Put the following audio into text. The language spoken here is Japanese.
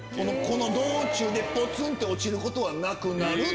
この道中でぽつん！って落ちることはなくなる。